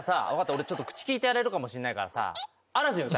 俺ちょっと口利いてやれるかもしんないからさ。